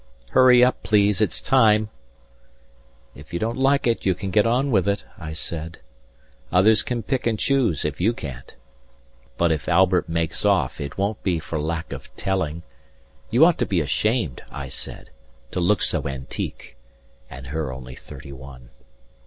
HURRY UP PLEASE ITS TIME If you don't like it you can get on with it, I said, Others can pick and choose if you can't. But if Albert makes off, it won't be for lack of telling. 155 You ought to be ashamed, I said, to look so antique. (And her only thirty one.)